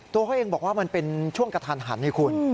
ตัวเขาเองบอกว่ามันเป็นช่วงกระทันหันให้คุณ